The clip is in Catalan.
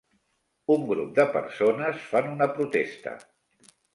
Un grup de persones fan una protesta